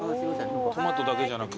トマトだけじゃなく。